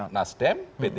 nasdem ptk juga berbeda